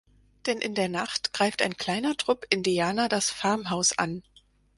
Denn in der Nacht greift ein kleiner Trupp Indianer das Farmhaus an.